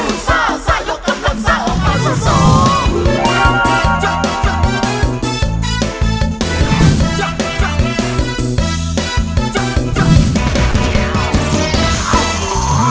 สู้สู้ซ่าซ่ายกกำลังซ่าออกมาสู้สู้